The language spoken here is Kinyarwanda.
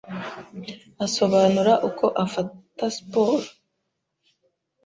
Asobanura uko afata siporo